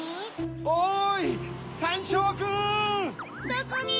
おい！